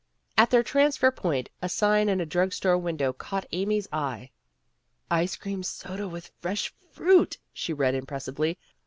At their transfer point a sign in a drug store window caught Amy's eye. "Ice cream soda with fresh fruit," she read impressively.